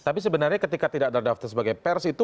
tapi sebenarnya ketika tidak ada daftar sebagai pers itu